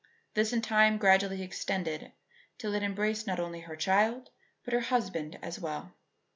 This in time gradually extended till it embraced not only her child but her husband as well.